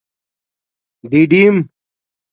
ڈِڈِم